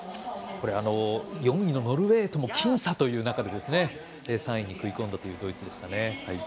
４位のノルウェーとも僅差という中で３位に食い込んだというドイツでしたね。